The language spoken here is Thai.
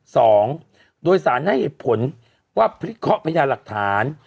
สองโดยสารให้เห็นผลว่าพิทธิ์ข้อพญาหลักฐาน